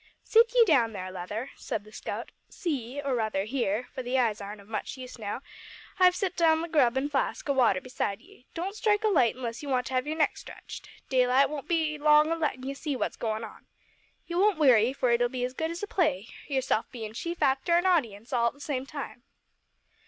"Sit ye down there, Leather," said the scout, "see, or, rather, hear for the eyes aren't of much use just now I've set down the grub an' a flask o' water beside ye. Don't strike a light unless you want to have your neck stretched. Daylight won't be long o' lettin' ye see what's goin' on. You won't weary, for it'll be as good as a play, yourself bein' chief actor an' audience all at the same time!"